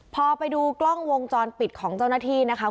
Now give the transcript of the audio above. พอไปดูกล้องวงจรปิดของเจ้าหน้าที่นะคะ